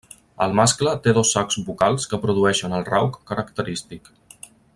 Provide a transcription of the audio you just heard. El mascle té dos sacs vocals que produeixen el rauc característic.